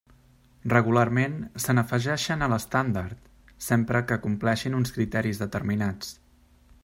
Regularment se n'afegeixen a l'estàndard, sempre que compleixin uns criteris determinats.